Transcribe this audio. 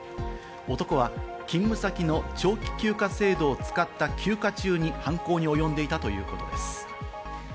男は勤務先の長期休暇制度を使った休暇中に犯行におよんでいたということです。